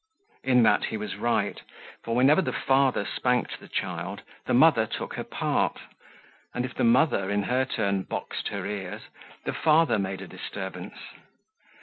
In that he was right, for whenever the father spanked the child, the mother took her part, and if the mother, in her turn, boxed her ears, the father made a disturbance.